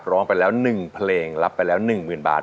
ร้องไปแล้วหนึ่งเพลงรับไปแล้วหนึ่งหมื่นบาท